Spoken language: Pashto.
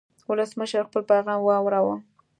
ولسمشر خپل پیغام واوراوه.